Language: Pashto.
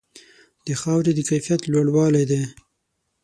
د خاورې د کیفیت لوړوالې دی.